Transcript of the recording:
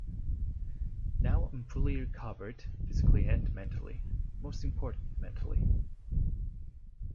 Now I'm fully recovered, physically and mentally, most important mentally.